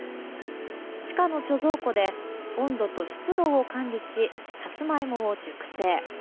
地下の貯蔵庫で温度と湿度を管理しサツマイモを熟成。